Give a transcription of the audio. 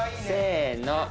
せの！